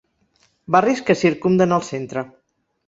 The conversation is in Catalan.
Barris que circumden el centre.